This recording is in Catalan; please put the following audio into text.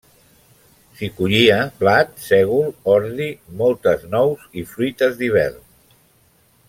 S'hi collia blat, sègol, ordi, moltes nous i fruites d'hivern.